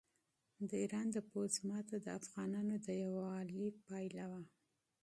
د ایران د پوځ ماته د افغانانو د یووالي نتیجه وه.